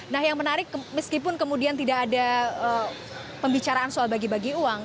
nah yang menarik meskipun kemudian tidak ada pembicaraan soal bagi bagi uang